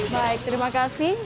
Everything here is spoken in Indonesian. baik terima kasih